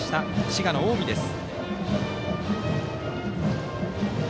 滋賀の近江です。